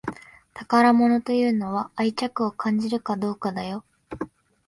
宝物というのは愛着を感じるかどうかだよ